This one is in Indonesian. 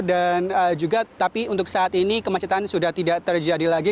dan juga tapi untuk saat ini kemacetan sudah tidak terjadi lagi